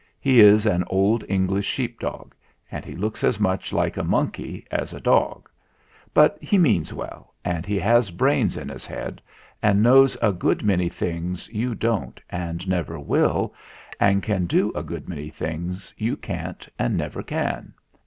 He is an old English sheep dog, and he looks as much like a monkey as a dog. But he means well, and he has brains in his head and knows a good many things you don't and never will, and can do a good many things you can't and never can.